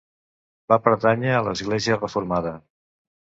Va pertànyer a l'església reformada.